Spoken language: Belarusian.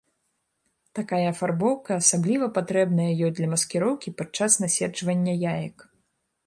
Такая афарбоўка асабліва патрэбная ёй для маскіроўкі падчас наседжвання яек.